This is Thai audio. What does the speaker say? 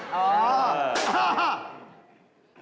พัก